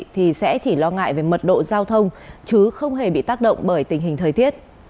thì sẽ chỉ lo ngại về mật độ giao thông chứ không hề bị tác động bởi tình hình thời tiết